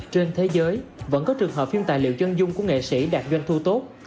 trên thế giới vẫn có trường hợp phim tài liệu chân dung của nghệ sĩ đạt doanh thu tốt